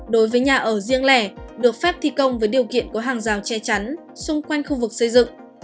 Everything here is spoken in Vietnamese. đối với nhà ở riêng lẻ được phép thi công với điều kiện có hàng rào che chắn xung quanh khu vực xây dựng